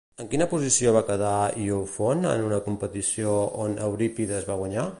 En quina posició va quedar Iofont en una competició on Eurípides va guanyar?